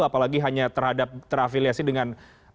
apalagi hanya terhadap terafiliasi dengan